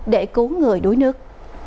để cứu người đuối nước